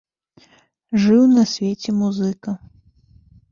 Жыў на свеце музыка.